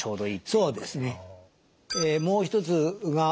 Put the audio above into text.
そうですね。